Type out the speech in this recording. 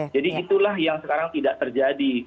jadi itulah yang sekarang tidak terjadi